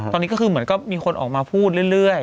ตอนนี้ก็คือเหมือนก็มีคนออกมาพูดเรื่อย